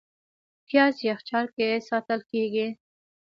پیاز یخچال کې ساتل کېږي